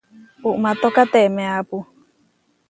Uʼmátokatemeapu.